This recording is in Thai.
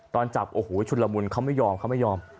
ตอนจับโอ้โหชุดละมุนเขาไม่ยอมเขาไม่ยอม